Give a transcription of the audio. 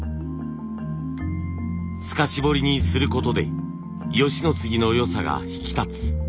透かし彫りにすることで吉野杉の良さが引き立つ。